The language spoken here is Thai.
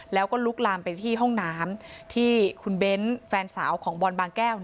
แล้วก็ลุกลามไปที่ห้องน้ำที่คุณเบ้นแฟนสาวของบอลบางแก้ว